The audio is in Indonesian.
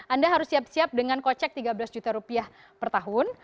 anda harus siap siap dengan kocek tiga belas juta rupiah per tahun